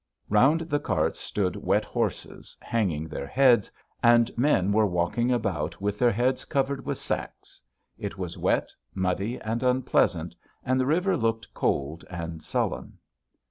Round the carts stood wet horses, hanging their heads, and men were walking about with their heads covered with sacks. It was wet, muddy, and unpleasant, and the river looked cold and sullen.